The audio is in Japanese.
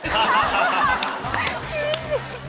厳しい。